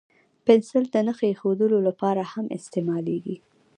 پنسل د نښې اېښودلو لپاره هم استعمالېږي.